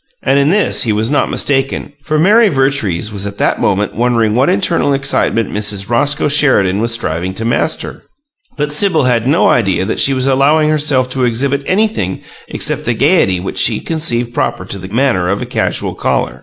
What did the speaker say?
And in this he was not mistaken, for Mary Vertrees was at that moment wondering what internal excitement Mrs. Roscoe Sheridan was striving to master. But Sibyl had no idea that she was allowing herself to exhibit anything except the gaiety which she conceived proper to the manner of a casual caller.